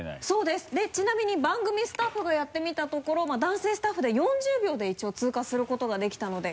でちなみに番組スタッフがやってみたところ男性スタッフで４０秒で一応通過することができたので。